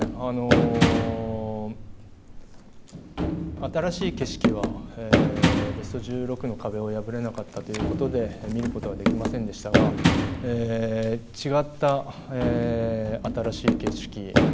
新しい景色はベスト１６の壁を破れなかったということで見ることはできませんでしたが違った新しい景色